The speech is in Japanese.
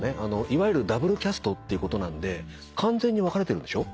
いわゆるダブルキャストっていうことなんで完全に分かれてるんでしょ。